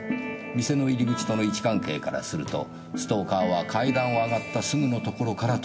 店の入り口との位置関係からするとストーカーは階段を上がったすぐの所から盗撮しています。